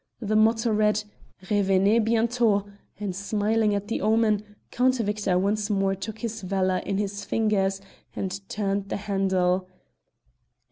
The motto read "Revenez bientôt," and smiling at the omen, Count Victor once more took his valour in his fingers and turned the handle.